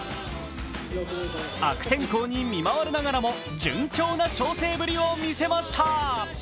悪天候に見舞われながらも順調な調整ぶりを見せました。